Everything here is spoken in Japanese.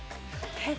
えっ？